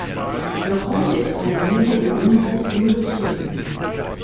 Noch heute ist eine Mine im Umland in Betrieb.